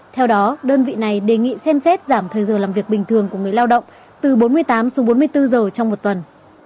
theo đó đơn vị này đề nghị xem xét giảm thời giờ làm việc bình thường của người lao động từ bốn mươi tám xuống bốn mươi bốn giờ trong một tuần